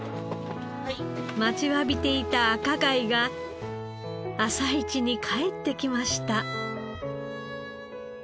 待ちわびていた赤貝が朝市に帰ってきました。